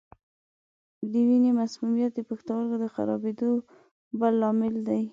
د وینې مسمومیت د پښتورګو د خرابېدو بل لامل دی.